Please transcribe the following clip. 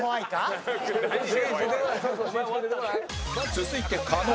続いて狩野